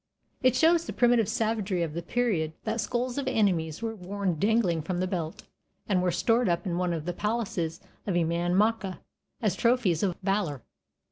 It shows the primitive savagery of the period that skulls of enemies were worn dangling from the belt, and were stored up in one of the palaces of Emain Macha as trophies of valor.